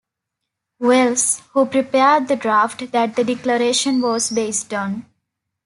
Wells, who prepared the draft that the Declaration was based on.